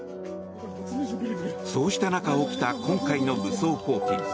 そうした中、起きた今回の武装蜂起。